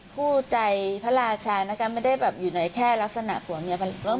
ผู้ใจพระราชาไม่ได้อยู่ในแค่ลักษณะผัวเมียพระราชา